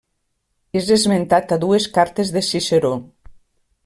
És esmentat a dues cartes de Ciceró.